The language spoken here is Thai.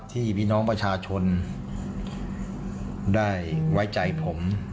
พี่น้องประชาชนได้ไว้ใจผม